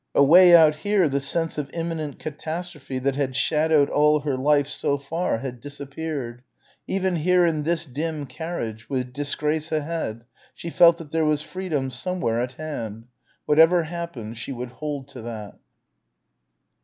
Away out here, the sense of imminent catastrophe that had shadowed all her life so far, had disappeared. Even here in this dim carriage, with disgrace ahead she felt that there was freedom somewhere at hand. Whatever happened she would hold to that.